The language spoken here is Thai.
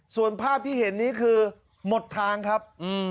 ส่วนภาพที่เห็นนี้คือหมดทางครับ